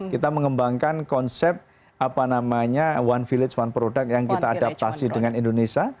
kita mengembangkan konsep apa namanya one village one product yang kita adaptasi dengan indonesia